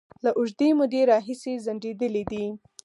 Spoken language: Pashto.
له اوږدې مودې راهیسې ځنډيدلې دي